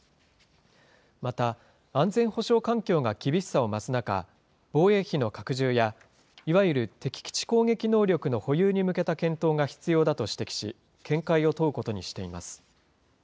また、安全保障環境が厳しさを増す中、防衛費の拡充や、いわゆる敵基地攻撃能力の保有に向けた検討が必要だと指摘し、見解を問うことにしています。